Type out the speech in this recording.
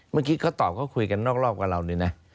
เมื่อกี้เขาตอบเขาคุยกันรอบกับเราหนึ่งนะ